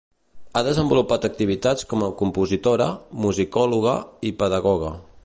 Ha desenvolupat activitats com a compositora, musicòloga i pedagoga.